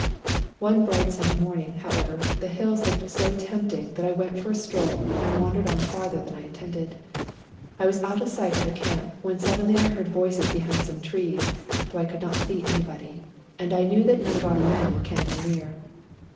One bright sunny morning, however, the hills looked so tempting that I went for a stroll and wandered on farther than I intended. I was out of sight of the camp, when sud denly I heard voices behind some trees, though I could not see anybody, and I knew that none of oiu* men were camping near.